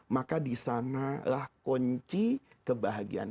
maka disanalah kunci kebahagiaan